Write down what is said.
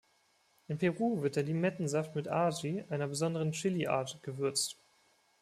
In Peru wird der Limettensaft mit Aji, einer besonderen Chili-Art, gewürzt.